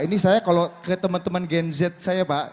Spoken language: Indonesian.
ini saya kalau ke teman teman gen z saya pak